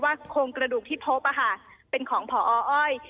โครงกระดูกที่พบเป็นของพออ้อย